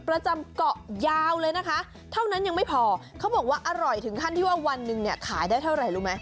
ประจำเกาะยาวเลยนะคะเท่านั้นยังไม่พอเขาบอกว่าอร่อยถึงขั้นที่ว่าวันหนึ่งเนี่ยขายได้เท่าไหร่รู้ไหม